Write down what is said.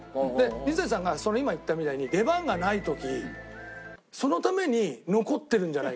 水谷さんが今言ったみたいに出番がない時そのために残ってるんじゃないかって。